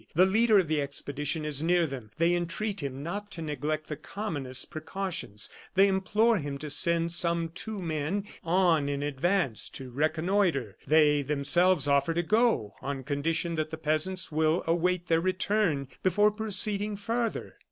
The leader of the expedition is near them, they entreat him not to neglect the commonest precautions, they implore him to send some two men on in advance to reconnoitre; they, themselves, offer to go, on condition that the peasants will await their return before proceeding farther.